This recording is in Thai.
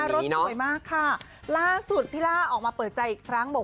รถสวยมากค่ะล่าสุดพี่ล่าออกมาเปิดใจอีกครั้งบอก